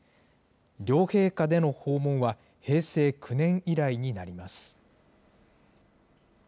両陛下での訪問は平成９年以来になります。